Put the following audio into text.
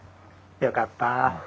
よかった。